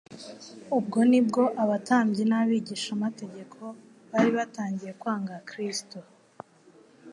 Ubwo nibwo abatambyi n'abigishamategeko bari batangiye kwanga Kristo.